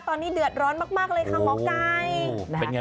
ตอนนี้เดือดร้อนมากเลยค่ะหมอไก่